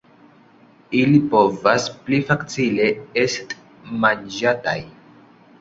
Ili povas pli facile est manĝataj.